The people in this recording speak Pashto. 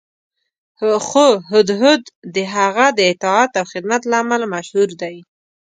خو هدهد د هغه د اطاعت او خدمت له امله مشهور دی.